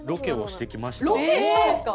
ロケしたんですか！？